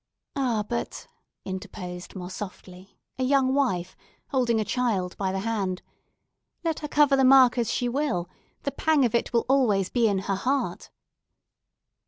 "Ah, but," interposed, more softly, a young wife, holding a child by the hand, "let her cover the mark as she will, the pang of it will be always in her heart."